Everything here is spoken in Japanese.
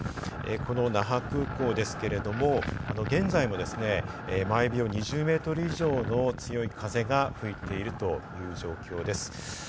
この那覇空港ですけれども、現在もですね、毎秒２０メートル以上の強い風が吹いているという状況です。